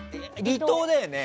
離島だよね！